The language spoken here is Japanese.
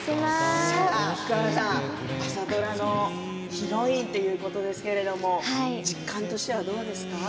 福原さん、朝ドラのヒロインということですけれど実感としてはどうですか。